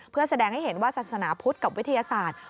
เพื่อแสดงให้เห็นว่าศาสนาพุทธกับวิทยาศาสตร์